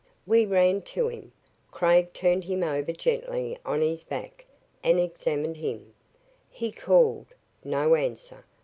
We ran to him. Craig turned him over gently on his back and examined him. He called. No answer.